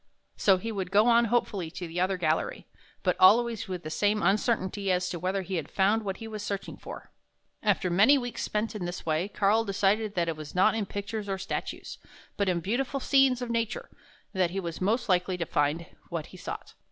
So he would 53 THE HUNT FOR THE BEAUTIFUL go on hopefully to the other gallery, but always with the same uncertainty as to whether he had found what he was searching for. After many weeks spent in this way, Karl decided that it was not in pictures or statues, but in beautiful scenes of nature, that he was most likely to find what he sought.